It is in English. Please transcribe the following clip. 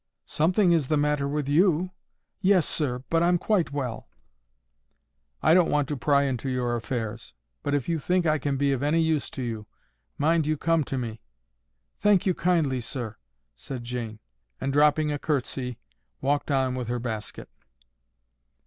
"Something is the matter with you." "Yes, sir. But I'm quite well." "I don't want to pry into your affairs; but if you think I can be of any use to you, mind you come to me." "Thank you kindly, sir," said Jane; and, dropping a courtesy, walked on with her basket.